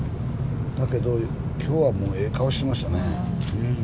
だけどきょうはもうええ顔してましたね。